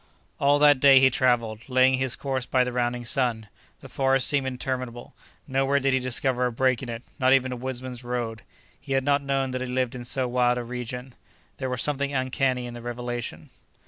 All that day he traveled, laying his course by the rounding sun. The forest seemed interminable; nowhere did he discover a break in it, not even a woodman's road. He had not known that he lived in so wild a region. There was something uncanny in the revelation.